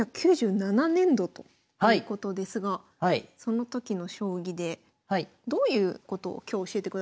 １９９７年度ということですがその時の将棋でどういうことを今日教えてくださるんですか？